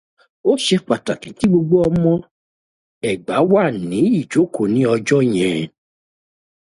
Ó ṣe pàtàkì kí gbogbo ọmọ ẹgbẹ́ wà ní ìjókòó ni ọjọ́ yẹn.